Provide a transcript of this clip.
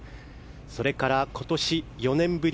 それから、今年４年ぶり。